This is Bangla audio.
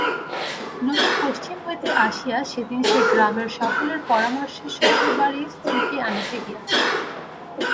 নতুন পশ্চিম হইতে আসিয়া সেদিন সে গ্রামের সকলের পরামর্শে শ্বশুরবাড়ী স্ত্রীকে আনিতে গিয়াছিল।